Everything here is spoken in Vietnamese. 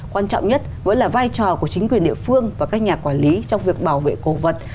quan trọng nhất vẫn là vai trò của chính quyền địa phương và các nhà quản lý trong việc bảo vệ cổ vật